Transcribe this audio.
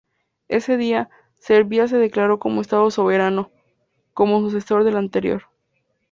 Ese día, Serbia se declaró como Estado soberano, como sucesor del anterior.